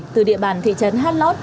từ địa bàn thị trấn hát lót